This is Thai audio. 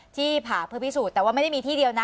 ที่ผ่าเพื่อพิสูจน์แต่ว่าไม่ได้มีที่เดียวนะ